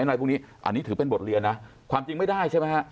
อันนี้ถือเป็นบทเรียนะความจริงไม่ได้ใช่ไหมฮะ